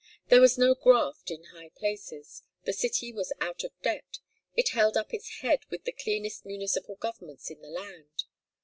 There was no "graft" in high places, the city was out of debt, it held up its head with the cleanest municipal governments in the land.